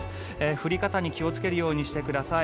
降り方に気をつけるようにしてください。